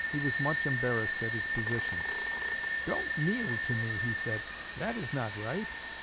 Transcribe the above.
He was much embarrassed at his position. 'Don't kneel to me,' he said, 'that is not right.